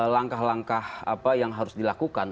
langkah langkah apa yang harus dilakukan